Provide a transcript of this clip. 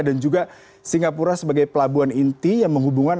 dan juga singapura sebagai pelabuhan inti yang menghubungkan